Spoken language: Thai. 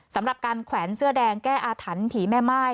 สำหรับการแขวนเสื้อแดงแก้อาถรรพ์ผีแม่ม่าย